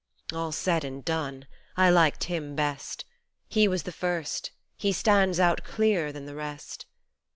All said and done I liked him best, He was the first, he stands out clearer than the rest.